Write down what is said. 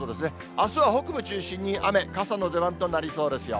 あすは北部中心に雨、傘の出番となりそうですよ。